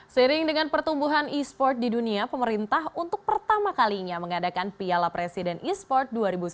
seiring dengan pertumbuhan e sport di dunia pemerintah untuk pertama kalinya mengadakan piala presiden e sport dua ribu sembilan belas